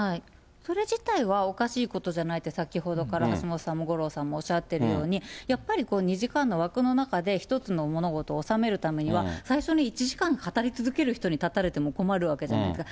それ自体はおかしいことじゃないって、先ほどから橋下さんも五郎さんもおっしゃってるように、やっぱり２時間の枠の中で一つの物事を収めるためには、最初に１時間語り続ける人に立たれても困るわけじゃないですか。